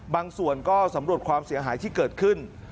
บางส่วนก็สำรวจความเสียหายที่เกิดขึ้น